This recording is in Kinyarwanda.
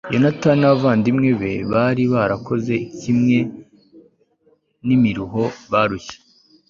yonatani n'abavandimwe be bari barakoze kimwe n'imiruho barushye